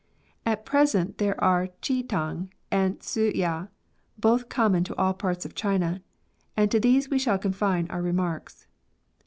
At present there are the chih tang and the ssi^ ya, both common to all parts of China, and to these we shall confine our remarks.